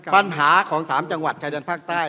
ปัญหาของ๓จังหวัดชายแดนภาคใต้